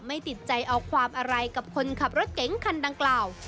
ติดใจเอาความอะไรกับคนขับรถเก๋งคันดังกล่าว